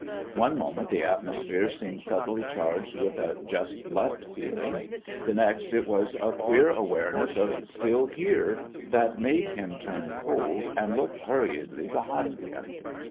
One moment the atmosphere seemed subtly charged with a "just left" feeling; the next it was a queer awareness of "still here" that made him turn cold and look hurriedly behind him.